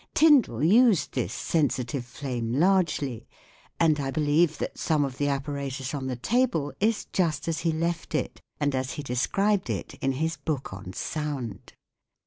Tyndall used this sensi tive flame largely, and I believe that some of the apparatus on the table is just as he left it and as he described it in his book on Sound.